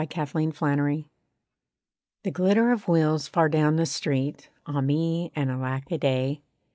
AN EAST WIND The glitter of wheels far down the street (Ah me, and alack a day.)